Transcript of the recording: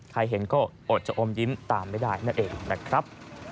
ใครเห็นก็อดจะอมยิ้มตามไม่ได้นั่นเองนะครับ